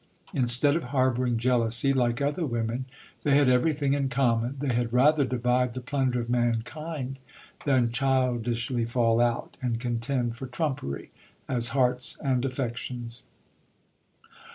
Instead of harbouring jealousy, like other women, they had everything in common. They had rather divide the plunder of mankind, than childishly fall out, and contend for trumpery, as hearts and affections.